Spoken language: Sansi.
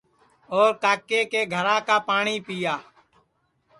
اور کاکے کے گھرا کا پاٹؔی پِیا